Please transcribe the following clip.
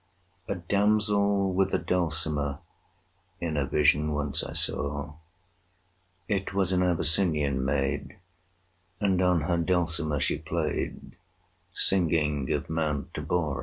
[298:1] A damsel with a dulcimer In a vision once I saw: It was an Abyssinian maid, And on her dulcimer she played, 40 Singing of Mount Abora.